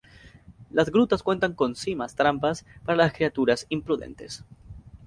Las grutas cuentan con simas, trampas para las criaturas imprudentes.